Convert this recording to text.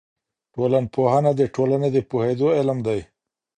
ټولنپوهنه د ټولني د پوهېدو علم دی.